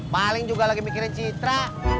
paling juga lagi mikirin citra